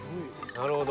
なるほど。